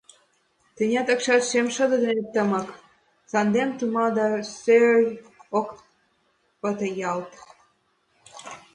Тӱня такшат шем шыде дене темын, Санден тума да сӧй ок пыте ялт.